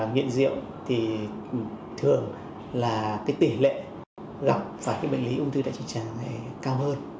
nghiện rượu thì thường là cái tỉ lệ gặp vào cái bệnh lý ung thư đại trực tràng cao hơn